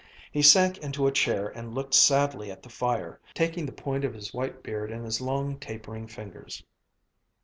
He sank into a chair and looked sadly at the fire, taking the point of his white beard in his long, tapering fingers.